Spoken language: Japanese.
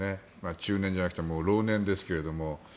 中年じゃなくてもう老年ですが。